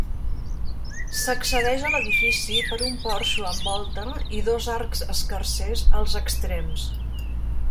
S'accedeix a l'edifici per un porxo amb volta i dos arcs escarsers als extrems.